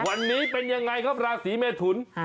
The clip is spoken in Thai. วันนี้เป็นอย่างไรครับราศรีเมฑุร์น